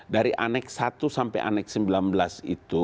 dari aneks satu sampai aneks sembilan belas itu